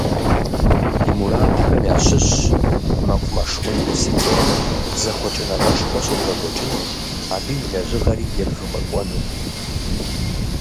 Ди мурадхэм ящыщщ мэкъумэш университетым зэхъуэкӏыныгъэшхуэ щедгъэкӏуэкӏыну, абы и лэжьыгъэри едгъэфӏэкӏуэну.